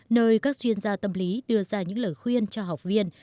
nơi các chuyên gia tâm lý đưa ra những lời khuyên cho học viên